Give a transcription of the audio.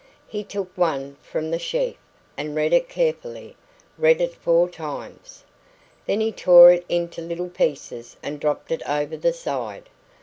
He took one from the sheaf, and read it carefully read it four times. Then he tore it into little pieces and dropped it over the side.